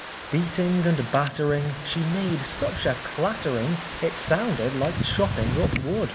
Beating and battering, She made such a clattering, It sounded like chopping up wood.